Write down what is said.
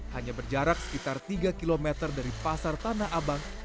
hanya berjarak sekitar tiga km dari pasar tanah abang